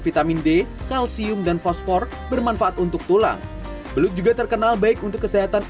vitamin d kalsium dan fosfor bermanfaat untuk tulang beluk juga terkenal baik untuk kesehatan